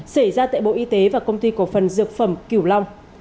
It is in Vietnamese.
xảy ra tại bộ y tế và công ty cổ phần dược phẩm kiểu long